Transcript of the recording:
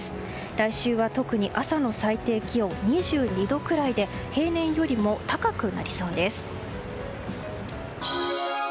来週は特に朝の最低気温２２度くらいで平年より高くなりそうです。